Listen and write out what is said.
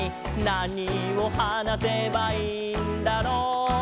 「なにをはなせばいいんだろう？」